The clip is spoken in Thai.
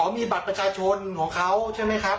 มีบัตรประชาชนของเขาใช่ไหมครับ